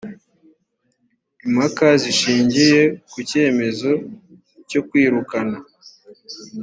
impaka zishingiye ku cyemezo cyo kwirukana